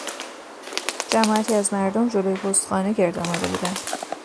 جماعتی از مردم جلو پستخانه گرد آمده بودند.